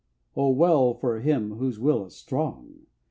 1. O well for him whose will is strong!